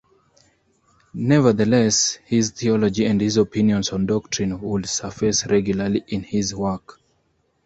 Nevertheless, his theology and his opinions on doctrine would surface regularly in his work.